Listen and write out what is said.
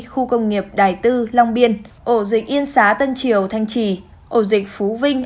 khu công nghiệp đài tư long biên ổ dịch yên xá tân triều thanh trì ổ dịch phú vinh